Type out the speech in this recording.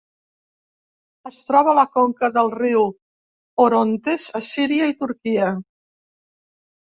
Es troba a la conca del riu Orontes a Síria i Turquia.